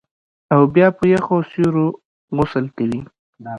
او بیا په یخو سیورو غسل کوي